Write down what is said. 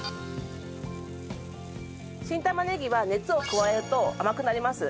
新玉ねぎは熱を加えると甘くなります。